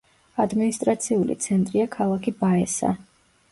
ადმინისტრაციული ცენტრია ქალაქი ბაესა.